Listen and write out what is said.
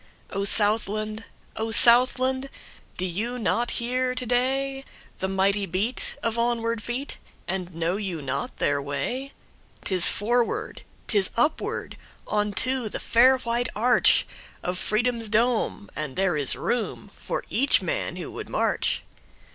O Southland! O Southland! Do you not hear to dayThe mighty beat of onward feet, And know you not their way?'Tis forward, 'tis upward, On to the fair white archOf Freedom's dome, and there is roomFor each man who would march.